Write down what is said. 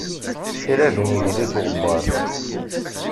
Kra din idel-it uɣebbar.